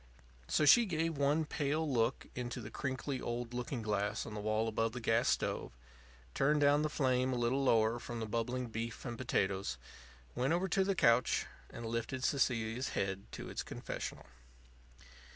So she gave one pale look into the crinkly old looking glass on the wall above the gas stove, turned down the flame a little lower from the bubbling beef and potatoes, went over to the couch, and lifted Cecilia's head to its confessional.